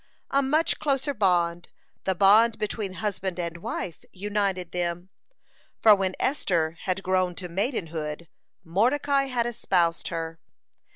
A much closer bond, the bond between husband and wife, united them, for when Esther had grown to maidenhood, Mordecai had espoused her.